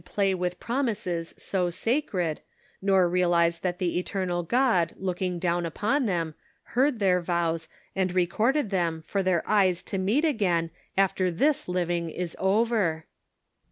play with promises so sacred, nor realize that the eternal God looking down upon them heard their vows and recorded them for their eyes to meet again after this living is over